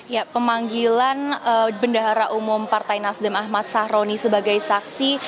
ya pemanggilan bendahara umum partai nasdem ahmad sahroni sebagai saksi